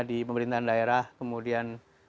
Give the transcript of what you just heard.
di pemerintahan daerah kemudian